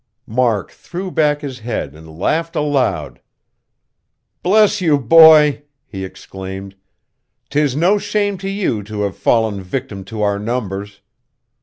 Mark threw back his head and laughed aloud. "Bless you, boy," he exclaimed. "'Tis no shame to you to have fallen victim to our numbers."